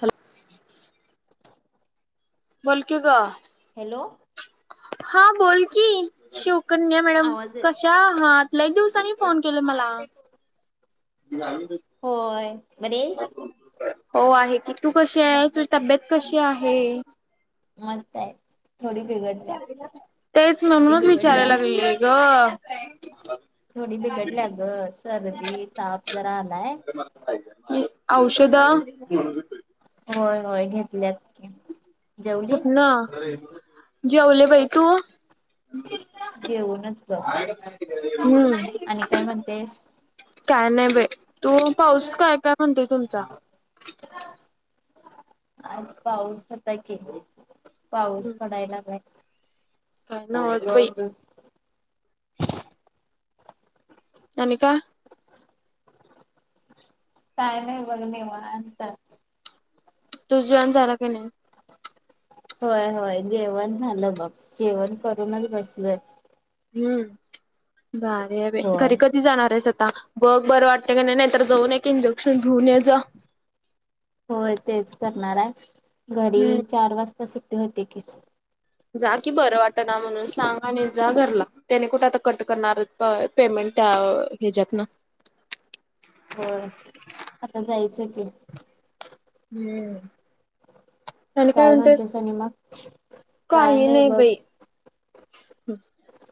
Hello बलकी का hello हा बोल की शवकन्या मॅडम आवाज येत कशा आहात एक दिवसांनी फोन केला मला. होय बर. हो आहे की तू कशी आहे तुझी तब्येत कशी आहे मस्त आहे थोडी बिघड द्या तेच म्हणूनच विचारायला लागले ग थोडी बिघडली ग सर्दी ताप जरा आलाय औषध होय होय घेतल्याती कुठ ना जी वले बाई तू जेवनच ग हम्म. आणि काय म्हणतेस. काय नाही बे तू पाऊस काय काय म्हणतेय तुमचा आज पाऊस होता के पाऊस पडायला नाहीहि काय हो नव्हच कला बाई वाजते आणिम का काय नाही बघणेव अंतर तू जॉन झाला की नाही होय होय जेवण झालं बघ जेवण करूनच बसलय हम्म भारी आहे होय घरीखरी जाणार आहेस आता बघ बरं वाटते का नाही नाहीतर जाऊन एक इंजेक्शन घेऊन ये जा होय तेच करणारय हम्म घरी चार वाजता सुट्टी होते की जा कि बरं वाट ना म्हणून सांग आणि जा घरला त्याने कुठे आता कट करणार पेमेंट त्या ह्याच्यात ना होय आता जायचं की हम्म आणि काय म्हणतेस काय काही नाही बघ बाई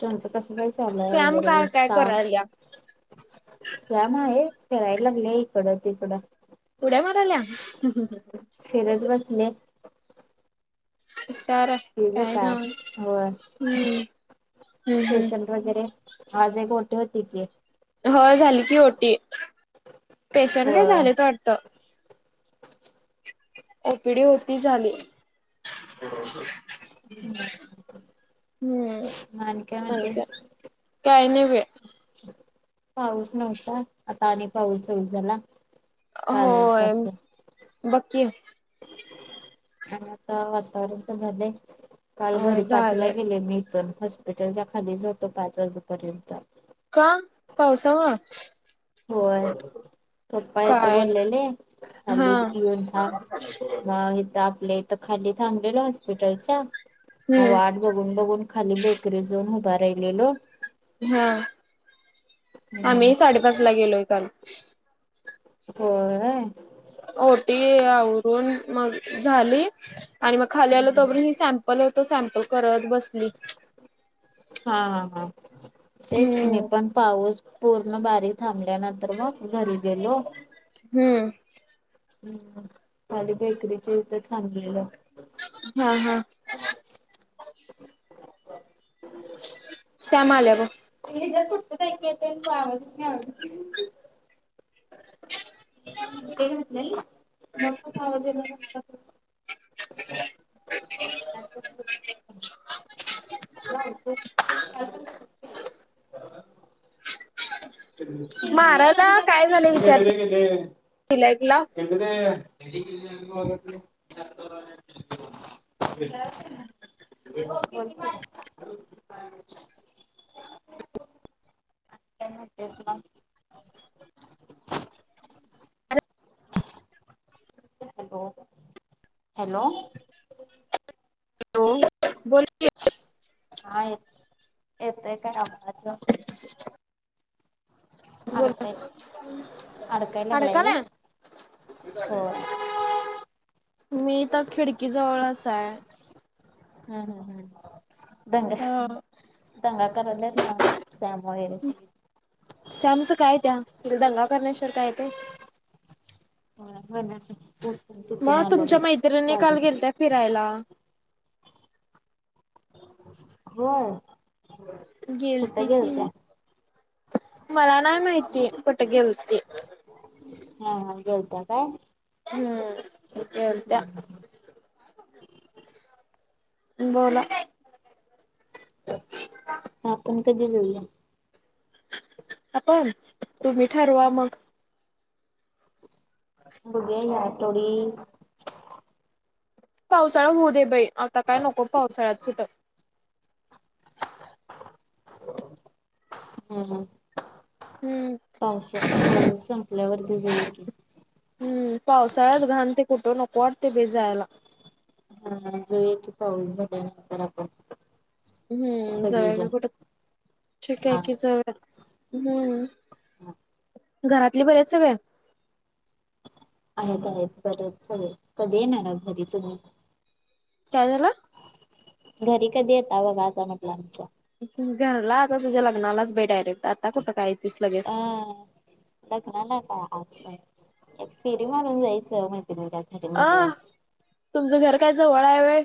तुचं कसं काही चाललंय सॅम वगैरे काय काय का करायल्या श्यामा हे खेळायला लागल्या इकडं तिकडं उड्या मारल्या फिरत बसले ार तिझं काय ना होय ह् हम् हम् पेशंट वगैरे वाजे कोठे होती की हो झाली की ओटी पेशंट काय होय झाले वाटतं ओपीडी होती झाली मग हम्म आणि काय का म्हणतेस काही नाही बाई पाऊस नव्हता आता आणि पाऊस‌ सुरू झाला. काल होय पासून बघकी आणि आता वातावरण तर झालंय काल घरी होय पाचला झालंय गेले मी इथून हॉस्पिटलच्या खालीच होतो पाच वाजूपर्यंत का पावसामुळे होय पप्पा येतं काय बोललेले हा खाली येऊन थांब मग इथ आपले खाली थांब हॉस्पिटलच्या म हम्म बघून बघून खाली बेकरी जाऊन उभा राहिलेलो हा हम्म. आम्ही साडेपाच ला गेलोय काल हो ओटी आवरून मग झाली आणि मग खाली आलं तोवर ही सॅमप पल तो सॅम्पल करत बसली हा हा हा तेच मी हम्म पण पाऊस पूर्ण बारीक थांबल्यानंतर मग घरी गेलो. हम्म हम् खली बेकरीच्या इथं थांबलेलं हा हा श्यामालाग! म जटत काय? त आवज नाही नकस. [inaudible] नते का [inaudible] मारायला काय झालं विचारते केले केले [inaudible] [inaudible] तिलाकला ह तेस हॅलो हॅलो बोल की हा येत येतय काय आवाज बोल अडकाय अडकाय अड लागलाय का काय? होय मी तर खिडकी जवळचाय हम्म हम् हम्म दंगा हा दंगाकरल्या ना त्यामुळे स्यामचं काय त्या तिला दंगा करण्याश्वर काय ते. हो म मग तुमच्या मैत्रिणी काल बाजून. गेलताय फिरायला. हो गेलती की मला नाही माहिती पट गेलती. हा हा गोलता काय? हम्म हत हम्म बोला आपण कधी जाऊया. आपण तु्ही ठरूवा मग? बघ्या या आठोडी. पावसाळा होऊ दे बाई आता काय नको पावसाळ्यात कुठं! हम हम हम्म पाऊसा पाऊस संपल्यावरती झारी की! हम् पावसाळ्यात घाणते कुठं नको वाटते बेजायला. हा जय त पा होऊंतर आपण. हम्म जळ सगळीजण. कुठं िकय कि जळ हम्म हम् घरातले बरेच सगळे. आहेत आहेत. बरच लेल कधी येणार घरी तुम्ही! काय झाला! घरी कधी येतता बघा आता म्हटलं आमच्या! घरला आता तुझ्या लग्नालाच भे डायरेक्ट आता कुठं काय तस लगेच. अं लग्नाला काय अस फेरी मारून जायचं माहिती तुझ्याक! अ तुमचं घर काय जवळ आहे व.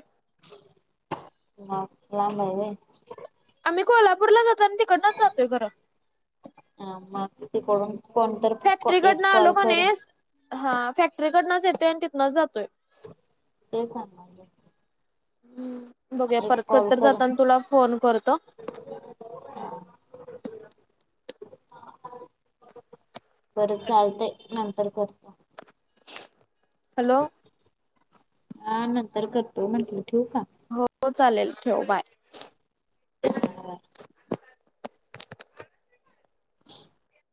ला बाहिले. आम्ही कोल्हापूरला जातो आणि तिकडनच जातोयर. ह मग तिकडून कोणत एक फॅक्टरीकडनं आलो कॉल का कर. नाही हा फॅक्टरीकडनंच येतोय आणि तिनंच जातोय. ते सग. हम्म बघया परत कॉल कत करून जाताना तुला फोन करतो. [unintelligible] बरं चालतंय नंतर कर. हॅलो. हा नंतर करतो म्हटलं ठेऊ का? हो चालेल ठेव बाय. हा हा. [unintelligible]